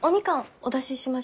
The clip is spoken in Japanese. お出ししましょうか？